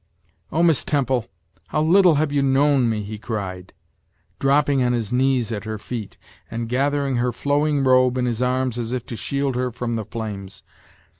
Oh! Miss Temple, how little have you known me!" he cried, dropping on his knees at her feet, and gathering her flowing robe in his arms as if to shield her from the flames.